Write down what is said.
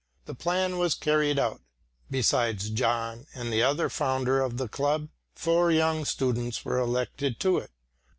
The plan was carried out. Besides John and the other founder of the club, four young students were elected to it.